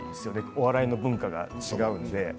お笑いの文化が違うので。